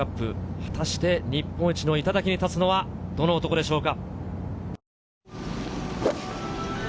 果たして日本一の頂に立つのは、どの男でしょうか？